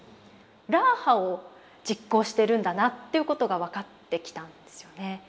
ラーハを実行してるんだなということが分かってきたんですよね。